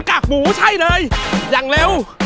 อ่าาาาา